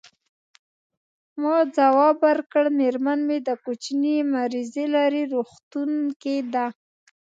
ما ځواب ورکړ: میرمن مې د کوچني مریضي لري، روغتون کې ده.